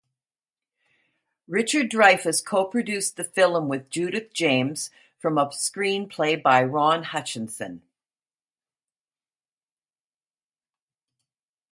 Richard Dreyfuss co-produced the film with Judith James, from a screenplay by Ron Hutchinson.